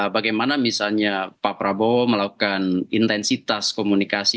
bagaimana misalnya pak prabowo melakukan intensitas komunikasi